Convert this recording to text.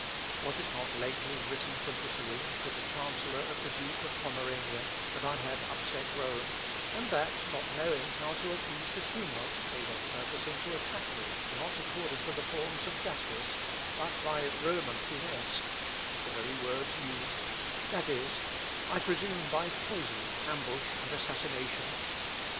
Was it not lately written from Italy, to the chancellor of the Duke of Pomerania, that I had upset Rome, and that, not knowing how to appease the tumult, they were purposing to attack me not according to the forms of justice, but by Roman finesse, (the very words used,) that is, I presume, by poison, ambush, and assassination?"